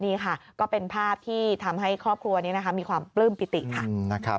นี่ค่ะก็เป็นภาพที่ทำให้ครอบครัวนี้มีความปลื้มปิติค่ะ